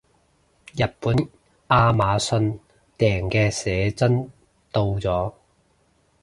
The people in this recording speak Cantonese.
日本亞馬遜訂嘅寫真到咗